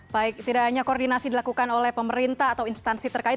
baik tidak hanya koordinasi dilakukan oleh pemerintah atau instansi terkait